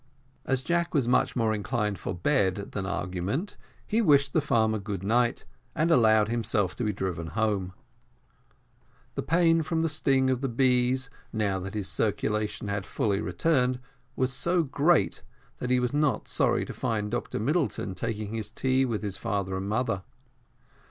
As Jack was much more inclined for bed than argument, he wished the farmer good night, and allowed himself to be driven home. The pain from the sting of the bees, now that his circulation had fully returned, was so great, that he was not sorry to find Dr Middleton taking his tea with his father and mother.